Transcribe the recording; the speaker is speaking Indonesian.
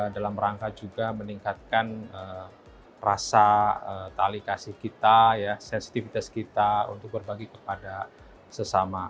dalam rangka juga meningkatkan rasa tali kasih kita sensitivitas kita untuk berbagi kepada sesama